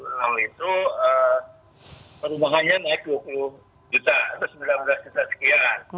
tadinya mungkin kalau hitungan dua puluh enam itu perumahannya naik dua puluh juta atau sembilan belas juta sekian